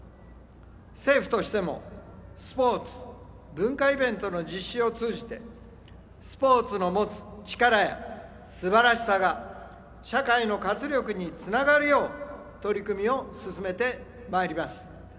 政府としてもスポーツ・文化イベントの実施を通じてスポーツの持つ力やすばらしさが社会の活力につながるよう取組を進めてまいります。